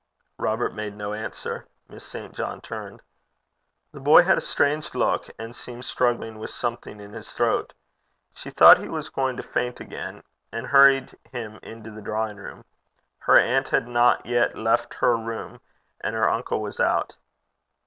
Robert made no answer. Miss St. John turned. The boy had a strange look, and seemed struggling with something in his throat. She thought he was going to faint again, and hurried him into the drawing room. Her aunt had not yet left her room, and her uncle was out.